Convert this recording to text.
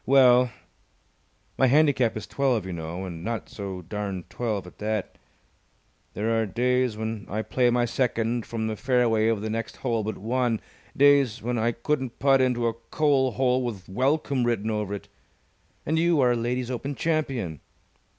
"Well, my handicap is twelve, you know, and not so darned twelve at that. There are days when I play my second from the fairway of the next hole but one, days when I couldn't putt into a coal hole with 'Welcome!' written over it. And you are a Ladies' Open Champion.